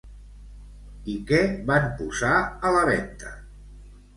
I què van posar a la venta?